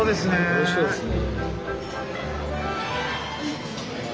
おいしそうですね。